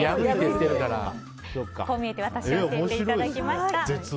こう見えてワタシを教えていただきました。